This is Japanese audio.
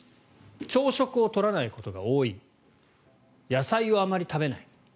朝食を取らないことが多い野菜をあまり食べない。